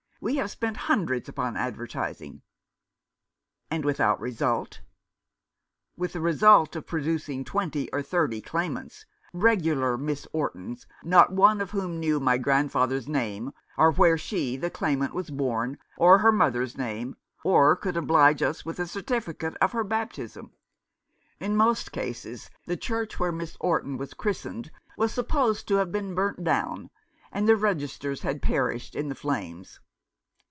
We have spent hundreds upon advertising." " And without result ?" "With the result of producing twenty or thirty claimants — regular Miss Ortons, not one of whom knew my grandfather's name, or where she, the claimant, was born, or her mother's name, or could 280 Waiting on Fortune. oblige us with a certificate of her baptism. In most cases the church where Miss Orton was christened was supposed to have been burnt down, and the registers had perished in the flames.